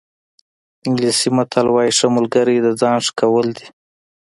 انګلیسي متل وایي ښه ملګری د ځان ښه کول دي.